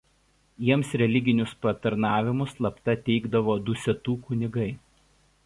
Jiems religinius patarnavimus slapta teikdavo Dusetų kunigai.